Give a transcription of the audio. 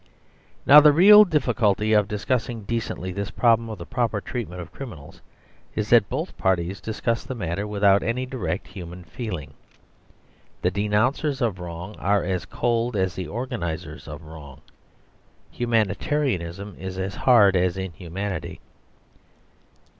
..... Now the real difficulty of discussing decently this problem of the proper treatment of criminals is that both parties discuss the matter without any direct human feeling. The denouncers of wrong are as cold as the organisers of wrong. Humanitarianism is as hard as inhumanity.